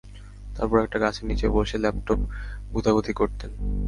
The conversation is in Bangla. তারপর একটা গাছের নিচে বসে ল্যাপটপ গুতাগুতি করতেন।